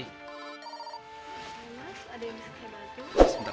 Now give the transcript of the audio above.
mas ada yang bisa saya bantu